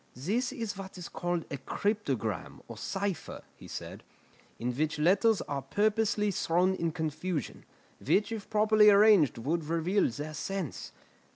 "This is what is called a cryptogram, or cipher," he said, "in which letters are purposely thrown in confusion, which if properly arranged would reveal their sense.